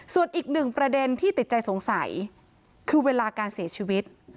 ส่วนอีกหนึ่งประเด็นที่ติดใจสงสัยคือเวลาการเสียชีวิต